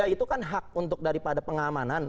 itu kan hak untuk daripada pengamanan